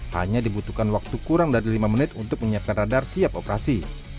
hanya dibutuhkan waktu kurang dari lima menit untuk menyiapkan radar siap operasi